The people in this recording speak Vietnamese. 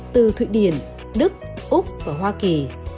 từ thụy điển đức úc và hoa kỳ